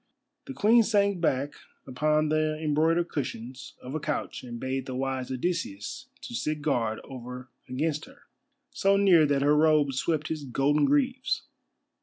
The Queen sank back upon the embroidered cushions of a couch and bade the wise Odysseus to sit guard over against her, so near that her robes swept his golden greaves.